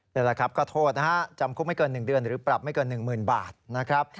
นี่แหละครับก็โทษนะฮะจำคุกไม่เกิน๑เดือนหรือปรับไม่เกิน๑๐๐๐บาทนะครับ